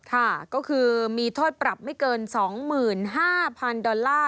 ค่ะก็คือมีโทษปรับไม่เกิน๒๕๐๐๐ดอลลาร์